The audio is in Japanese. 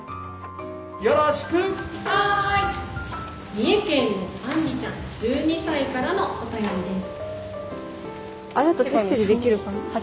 三重県のあんりちゃん１２歳からのお便りです」。